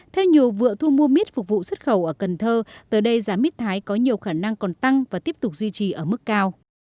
theo nhiều vựa thu mua mít phục vụ xuất khẩu ở cần thơ tới đây giá mít thái có nhiều khả năng còn tăng và tiếp tục duy trì ở mức cao